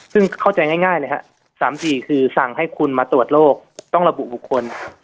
ซึ่งเข้าใจง่ายเลยครับ๓๔คือสั่งให้คุณมาตรวจโรคต้องระบุบุคคล